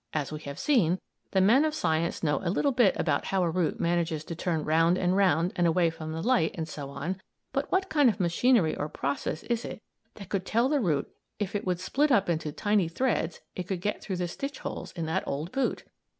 As we have seen, the men of science know a little bit about how a root manages to turn round and round and away from the light and so on, but what kind of machinery or process is it that could tell the root if it would split up into little threads it could get through the stitch holes in that old boot?